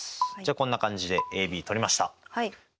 こんな感じでＡＢとりました。